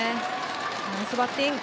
ナイスバッティング！